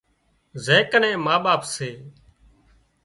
زين ڪنين ما ٻاپ سي